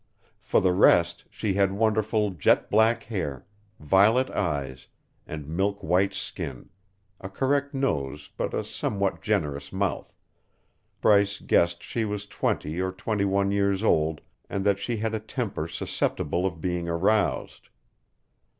For the rest, she had wonderful jet black hair, violet eyes, and milk white skin, a correct nose but a somewhat generous mouth, Bryce guessed she was twenty or twenty one years old and that she had a temper susceptible of being aroused.